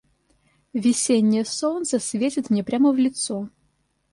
Весеннее солнце светит мне прямо в лицо.